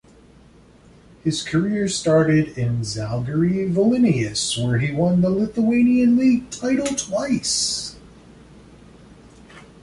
His career started in Zalgiris Vilnius, where he won the Lithuanian league title twice.